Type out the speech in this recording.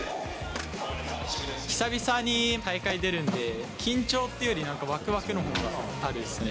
久々に大会出るんで、緊張っていうより、なんかわくわくのほうがありますね。